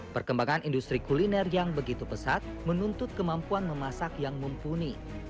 perkembangan industri kuliner yang begitu pesat menuntut kemampuan memasak yang mumpuni